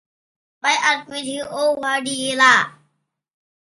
ไปอัดวิดีโอพอดีน่ะ